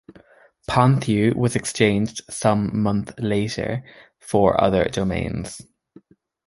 Ponthieu was exchanged some month later for other domains.